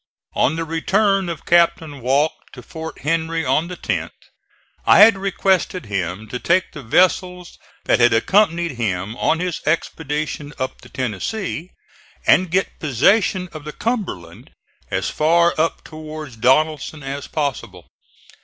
On the return of Captain Walke to Fort Henry on the 10th, I had requested him to take the vessels that had accompanied him on his expedition up the Tennessee, and get possession of the Cumberland as far up towards Donelson as possible.